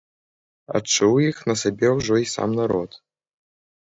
Адчуў іх на сабе ўжо і сам народ.